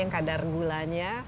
yang kadar gulanya